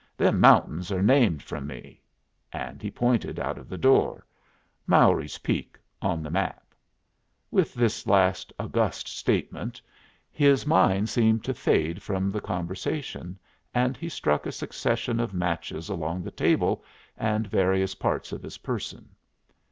Them mountains are named from me." And he pointed out of the door. "Mowry's Peak. On the map." With this last august statement his mind seemed to fade from the conversation, and he struck a succession of matches along the table and various parts of his person.